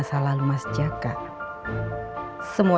sekarang saya mengerti apa maksudnya